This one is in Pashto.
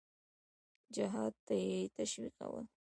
جهاد ته یې تشویقول.